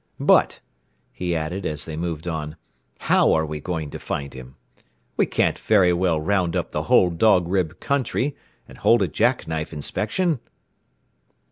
"But," he added as they moved on, "how are we going to find him? We can't very well round up the whole Dog Rib country, and hold a jack knife inspection."